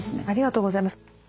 ありがとうございます。